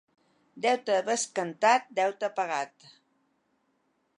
Deute bescantat, deute pagat.